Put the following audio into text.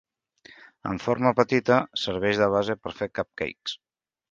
En forma petita, serveix de base per a fer cupcakes.